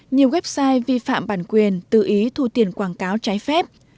nhiều website vi phạm bản quyền tự ý thu tiền quảng cáo trái phép